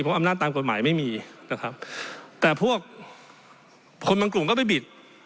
เพราะอำนาจตามกฎหมายไม่มีนะครับแต่พวกคนบางกลุ่มก็ไปบิด